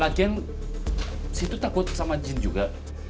lagian si itu takut sama jin juga